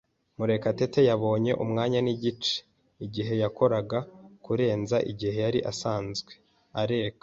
Murekatete yabonye umwanya nigice igihe yakoraga kurenza igihe yari asanzwe areka.